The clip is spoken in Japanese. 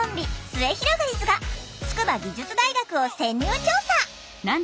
すゑひろがりずが筑波技術大学を潜入調査。